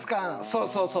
そうそうそう。